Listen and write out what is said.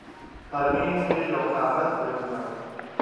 پر مېز يې يو کاغذ وېړ کړ.